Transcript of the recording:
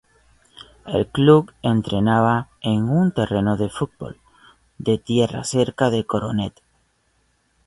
El club entrenaba en un terreno de fútbol, de tierra cerca de Coronet.